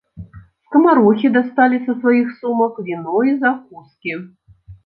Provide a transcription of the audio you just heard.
Скамарохі дасталі са сваіх сумак віно і закускі.